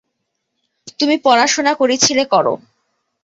তুমি পড়াশোনা করছিলে, কর।